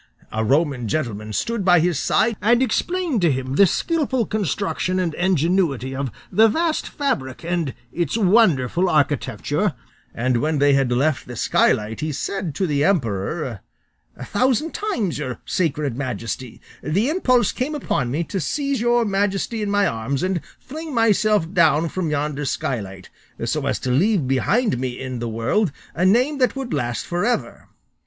A Roman gentleman stood by his side and explained to him the skilful construction and ingenuity of the vast fabric and its wonderful architecture, and when they had left the skylight he said to the emperor, 'A thousand times, your Sacred Majesty, the impulse came upon me to seize your Majesty in my arms and fling myself down from yonder skylight, so as to leave behind me in the world a name that would last for ever.